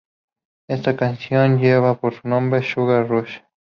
Esta canción lleva por nombre "Sugar Rush".